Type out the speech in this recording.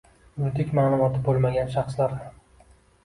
yuridik ma’lumoti bo‘lmagan shaxslar ham